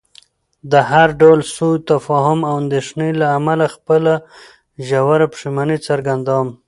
د هر ډول سوء تفاهم او اندېښنې له امله خپله ژوره پښیماني څرګندوم.